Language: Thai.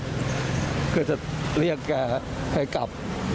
ผมก็จะเรียกแกให้กลับ